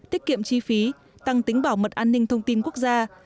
tiết kiệm chi phí tăng tính bảo mật an ninh thông tin quốc gia